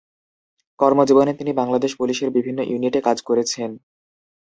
কর্মজীবনে তিনি বাংলাদেশ পুলিশের বিভিন্ন ইউনিটে কাজ করেছেন।